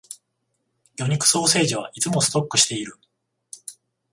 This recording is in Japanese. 魚肉ソーセージはいつもストックしている